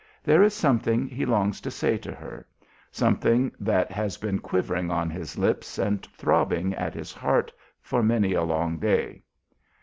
There is something he longs to say to her, something that has been quivering on his lips and throbbing at his heart for many a long day.